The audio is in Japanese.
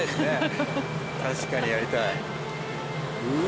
確かにやりたい。